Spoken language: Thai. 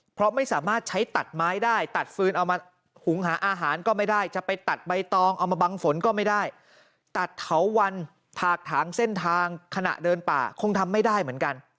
เพราะไม่สามารถใช้ตัดไม้ได้ตัดฟืนเอามาหุงหาอาหารก็ไม่ได้จะไปตัดใบตองเอามาบังฝนก็ไม่ได้ตัดเถาวันถากถางเส้นทางขณะเดินป่าคงทำไม่ได้เหมือนกัน